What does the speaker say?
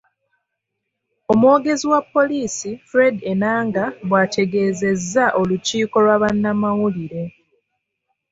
Omwogezi wa poliisi Fred Enanga bwategeezezza olukiiko lwa bannamawulire